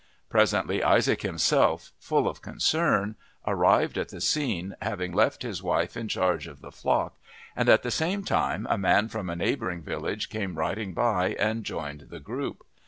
Presently Isaac himself, full of concern, arrived on the scene, having left his wife in charge of the flock, and at the same time a man from a neighbouring village came riding by and joined the group.